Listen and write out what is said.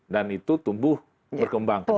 dan itu tumbuh berkembang ke depan